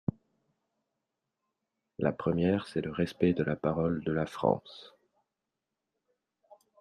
La première, c’est le respect de la parole de la France.